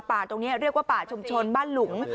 ตรงนี้เรียกว่าป่าชุมชนบ้านหลุง